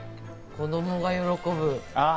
子供が喜ぶ。